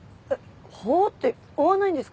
「ほう」って追わないんですか？